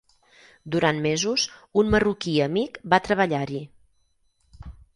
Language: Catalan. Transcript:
Durant mesos, un marroquí amic va treballar-hi.